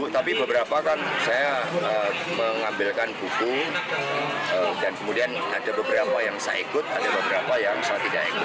tapi beberapa kan saya mengambilkan buku dan kemudian ada beberapa yang saya ikut ada beberapa yang saya tidak ikut